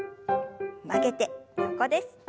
曲げて横です。